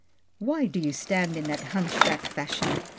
" Why do you stand in that hunchback fashion